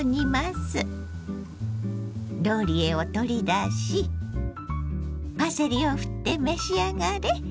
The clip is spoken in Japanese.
ローリエを取り出しパセリをふって召し上がれ。